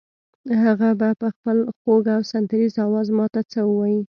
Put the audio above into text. هغه به په خپل خوږ او سندریزه آواز ماته څه ووایي.